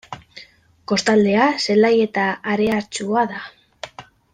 Kostaldea zelaia eta hareatsua da.